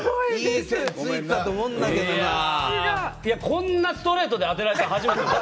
こんなストレートで当てられたの初めて。